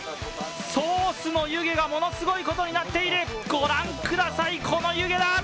ソースの湯気がものすごいことになっている、ご覧ください、この湯気だ！